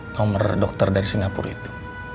nomor dokter dari singapura itu